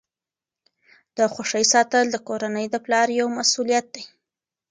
د خوښۍ ساتل د کورنۍ د پلار یوه مسؤلیت ده.